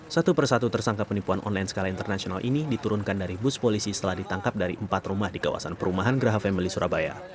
satu persatu tersangka penipuan online skala internasional ini diturunkan dari bus polisi setelah ditangkap dari empat rumah di kawasan perumahan geraha family surabaya